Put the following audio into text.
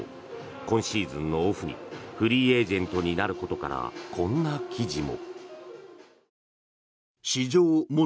今シーズンのオフにフリーエージェントになることからこんな記事も。